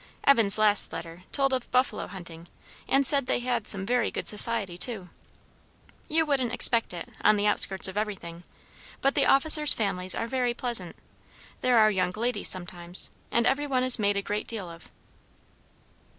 Evan's last letter told of buffalo hunting, and said they had some very good society too. You wouldn't expect it, on the outskirts of everything; but the officers' families are very pleasant. There are young ladies, sometimes; and every one is made a great deal of."